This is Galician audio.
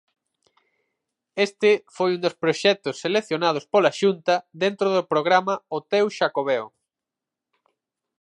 Este foi un dos proxectos seleccionados pola Xunta dentro do programa 'O teu Xacobeo'.